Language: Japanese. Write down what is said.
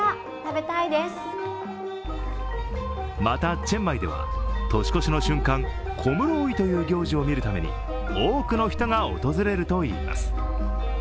またチェンマイでは年越しの瞬間、コムローイという行事を見るために多くの人が訪れるといいます。